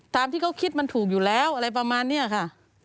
ตามที่เขาคิดมันถูกอยู่แล้วอะไรประมาณนี้ค่ะ